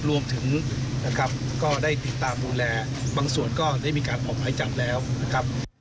รวมถึงนะครับก็ได้ติดตามดูแลบางส่วนก็ได้มีการออกหมายจับแล้วนะครับ